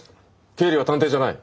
経理は探偵じゃない。